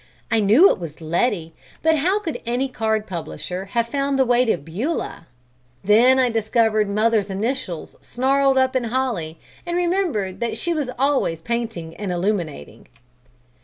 I knew it was Letty, but how could any card publisher have found the way to Beulah? Then I discovered mother's initials snarled up in holly, and remembered that she was always painting and illuminating."